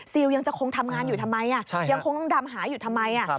ยังจะคงทำงานอยู่ทำไมยังคงต้องดำหาอยู่ทำไม